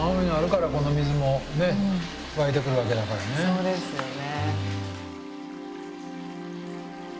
そうですよね。